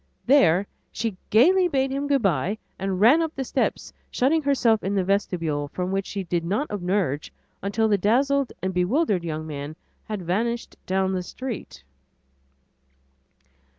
There she gayly bade him good by and ran up the steps shutting herself in the vestibule from which she did not emerge until the dazzled and bewildered young man had vanished down the street.